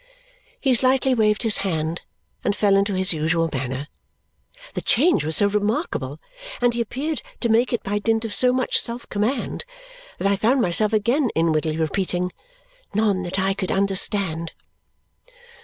He slightly waved his hand and fell into his usual manner. The change was so remarkable, and he appeared to make it by dint of so much self command, that I found myself again inwardly repeating, "None that I could understand!"